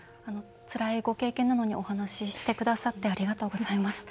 つらいご経験なのにお話してくださってありがとうございます。